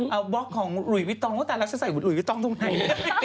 เอาล็อกของหลุยวิตรองไม่ตามรักษาใส่หลุยวิตรองตรงไหน